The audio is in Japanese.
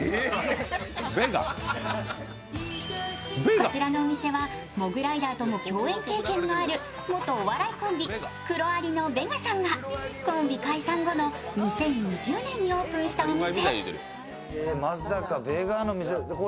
こちらのお店はモグライダーとも共演経験のある元お笑いコンビ黒蟻のＶＥＧＡさんがコンビ解散後の２０１０年にオープンしたお店。